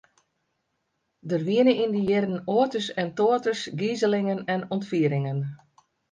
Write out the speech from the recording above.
Der wiene yn dy jierren oates en toates gizelingen en ûntfieringen.